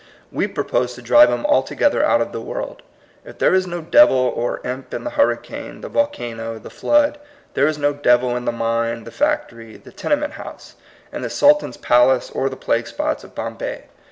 We propose to drive him altogether out of our world. If there is no devil or imp in the hurricane, the volcano, the flood, there is no devil in the mine, the factory, the tenement house, in the Sultan's palace, or the plague spots of Bombay.